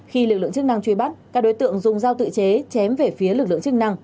khi lực lượng chức năng truy bắt các đối tượng dùng dao tự chế chém về phía lực lượng chức năng